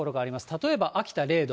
例えば、秋田０度。